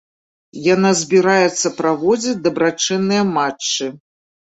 Яна збіраецца праводзіць дабрачынныя матчы.